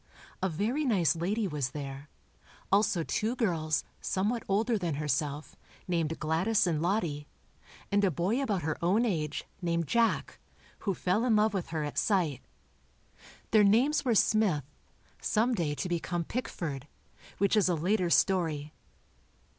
A very nice lady was there, also two girls, somewhat older than herself, named Gladys and Lottie, and a boy about her own age, named Jack, who fell in love with her at sight. Their names were Smith, some day to become Pickford, which is a later story.